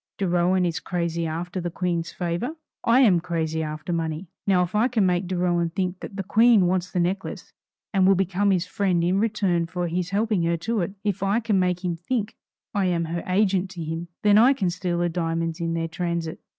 De Rohan is crazy after the Queen's favor. I am crazy after money. Now if I can make De Rohan think that the Queen wants the necklace, and will become his friend in return for his helping her to it; if I can make him think I am her agent to him, then I can steal the diamonds in their transit.